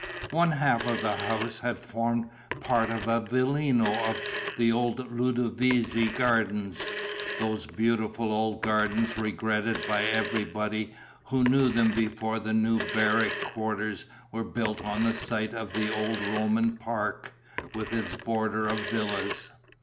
One half of the house had formed part of a villino of the old Ludovisi Gardens, those beautiful old gardens regretted by everybody who knew them before the new barrack quarters were built on the site of the old Roman park, with its border of villas.